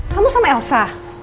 kamu sama elsa